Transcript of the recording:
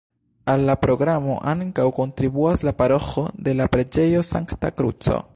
Al la programo ankaŭ kontribuas la paroĥo de la preĝejo Sankta Kruco.